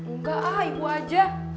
enggak ibu aja